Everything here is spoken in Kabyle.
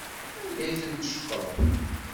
Anda ay ten-tceqrem?